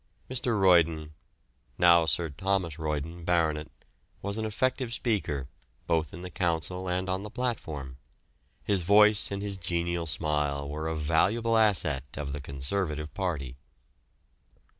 Mr. Royden (now Sir Thomas Royden, Bart.) was an effective speaker, both in the Council and on the platform; his voice and his genial smile were a valuable asset of the Conservative party.